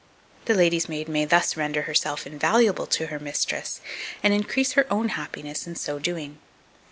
The lady's maid may thus render herself invaluable to her mistress, and increase her own happiness in so doing.